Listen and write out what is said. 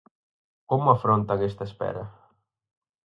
Como afrontan esta espera?